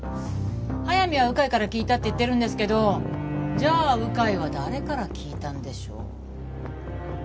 早水は鵜飼から聞いたって言ってるんですけどじゃあ鵜飼は誰から聞いたんでしょう？